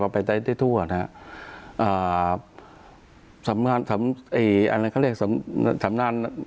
พอเป็นใจที่ทั่วนะฮะอ่าสำนาญสำไออะไรเขาเรียกสำสำนาญ